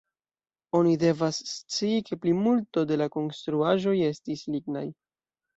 Oni devas scii, ke plimulto de la konstruaĵoj estis lignaj.